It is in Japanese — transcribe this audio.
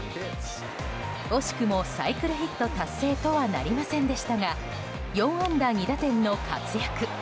惜しくもサイクルヒット達成とはなりませんでしたが４安打２打点の活躍。